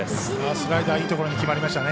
スライダーいいとこに決まりましたね。